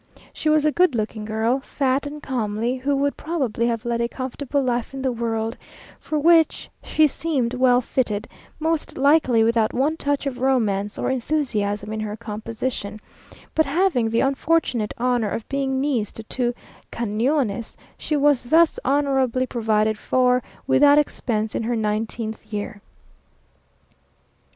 She was a good looking girl, fat and comely, who would probably have led a comfortable life in the world, for which she seemed well fitted; most likely without one touch of romance or enthusiasm in her composition; but having the unfortunate honour of being niece to two chanoines, she was thus honourably provided for without expense in her nineteenth year.